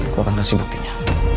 gue akan kasih buktinya